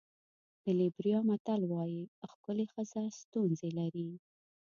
د لېبریا متل وایي ښکلې ښځه ستونزې لري.